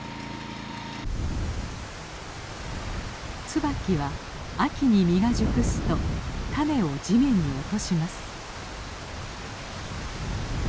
ツバキは秋に実が熟すと種を地面に落とします。